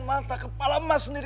mata kepala mas sendiri